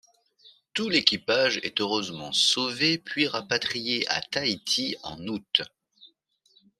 Tout l'équipage est heureusement sauvé puis rapatrié à Tahiti en août.